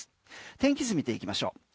天気図見ていきましょう。